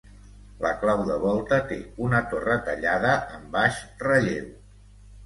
La clau de volta té una torre tallada en baix relleu.